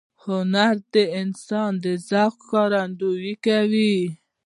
هنر د انسان د ذوق ښکارندویي کوي.